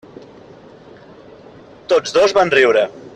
Tots dos van riure.